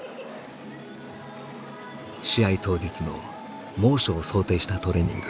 試合当日の猛暑を想定したトレーニング。